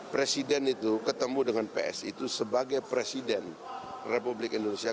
presiden itu ketemu dengan psi itu sebagai presiden republik indonesia